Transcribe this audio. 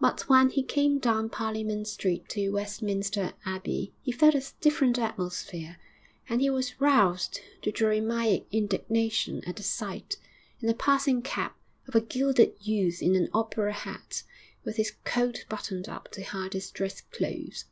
But when he came down Parliament Street to Westminster Abbey he felt a different atmosphere, and he was roused to Jeremiac indignation at the sight, in a passing cab, of a gilded youth in an opera hat, with his coat buttoned up to hide his dress clothes.